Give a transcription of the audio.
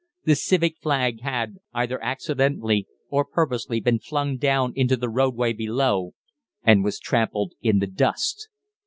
The civic flag had, either accidentally or purposely, been flung down into the roadway below, and was trampled in the dust.